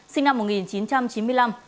sinh năm một nghìn chín trăm chín mươi năm